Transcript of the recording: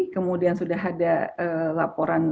kemudian sudah ada laporan